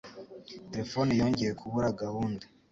Terefone yongeye kubura gahunda.